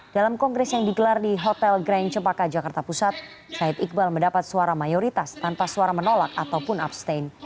dalam kongres yang digelar di hotel grand cepaka jakarta pusat syed iqbal mendapat suara mayoritas tanpa suara menolak ataupun abstain